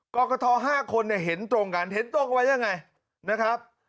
กรกฐ๕คนเนี่ยเห็นตรงกันเห็นตรงกันไว้ยังไงนะครับ